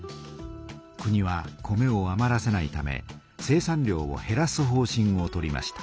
国は米をあまらせないため生産量をへらす方しんを取りました。